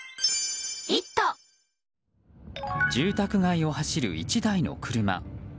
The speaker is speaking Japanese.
住宅街を走る１台の車。